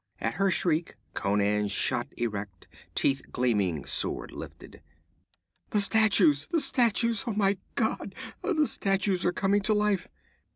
At her shriek Conan shot erect, teeth gleaming, sword lifted. 'The statues! The statues! _Oh my God, the statues are coming to life!